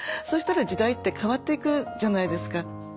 そしたら時代って変わっていくじゃないですか。